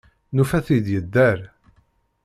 Nufa-t-id yedder.